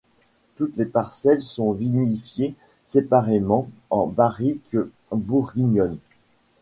Toutes les parcelles sont vinifiées séparément en barriques bourguignonnes.